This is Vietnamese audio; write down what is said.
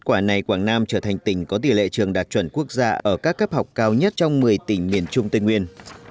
kết quả này quảng nam trở thành tỉnh có tỷ lệ trường đạt chuẩn quốc gia ở các cấp học cao nhất trong một mươi tỉnh miền trung tây nguyên